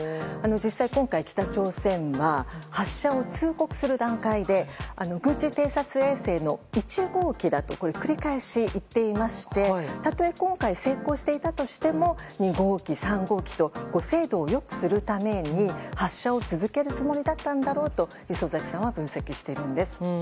実際に今回、北朝鮮は発射を通告する段階で軍事偵察衛星の１号機だと繰り返し言っていましてたとえ今回成功していたとしても２号機、３号機と精度をよくするために発射を続けるつもりだったんだろうと礒崎さんは分析しているんです。